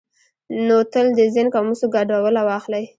نو تل د زېنک او مسو ګډوله واخلئ،